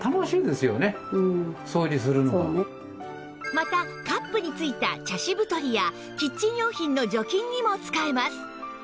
またカップについた茶渋取りやキッチン用品の除菌にも使えます